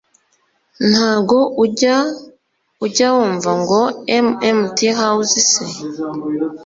ntago ujya ujya wumva ngo MMT HOUSE se